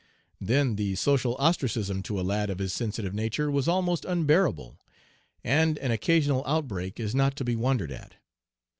Then the social ostracism to a lad of his sensitive nature was almost unbearable, and an occasional outbreak is not to be wondered at.